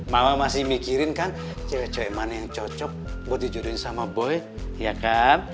mama masih mikirin kan cewek cewek mana yang cocok buat dijudulin sama boy ya kan